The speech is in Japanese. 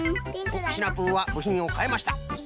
おっシナプーはぶひんをかえました。